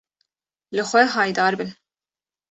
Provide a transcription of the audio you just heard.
Li xwe haydarbin.